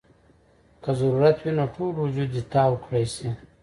کۀ ضرورت وي نو ټول وجود دې تاو کړے شي -